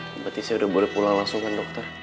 berarti saya udah boleh pulang langsung kan dokter